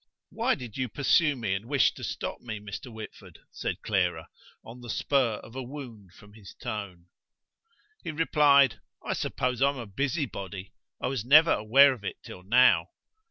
"Why did you pursue me and wish to stop me, Mr. Whitford?" said Clara, on the spur of a wound from his tone. He replied: "I suppose I'm a busybody; I was never aware of it till now."